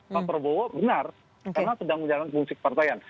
pak prabowo benar karena sedang menjalankan fungsi kepartaian